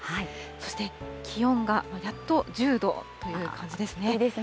そして気温がやっと１０度という感じですね。